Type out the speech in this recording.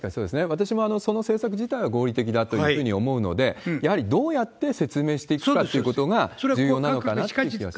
私もその政策自体は合理的だというふうに思うので、やはりどうやって説明していくかということが重要かなという気が。